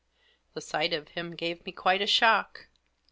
The sight of him gave me quite a shock.